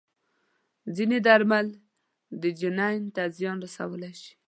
ځینې درمل د جنین ته زیان رسولی شي.